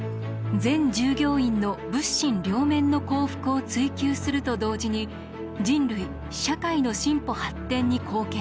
「全従業員の物心両面の幸福を追求すると同時に人類社会の進歩発展に貢献すること」。